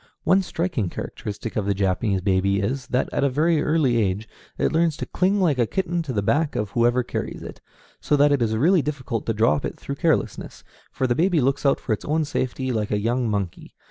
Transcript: One striking characteristic of the Japanese baby is, that at a very early age it learns to cling like a kitten to the back of whoever carries it, so that it is really difficult to drop it through carelessness, for the baby looks out for its own safety like a young monkey.